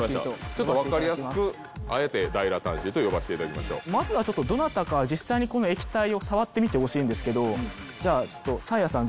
ちょっと分かりやすくあえてダイラタンシーと呼ばせていただきましょうまずはちょっとどなたか実際にこのじゃあちょっとサーヤさん